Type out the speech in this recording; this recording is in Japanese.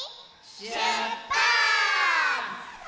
しゅっぱつ！